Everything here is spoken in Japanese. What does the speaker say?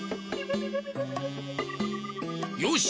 よし！